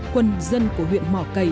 quân dân của huyện mỏ cầy